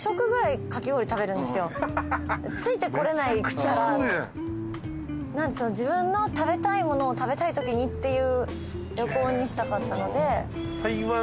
ついてこれないから自分の食べたいものを食べたいときにっていう旅行にしたかったので。